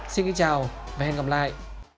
xin kính chào và hẹn gặp lại